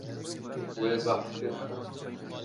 Wê behs kir.